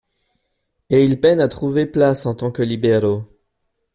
Et il peine à trouver place en tant que libero.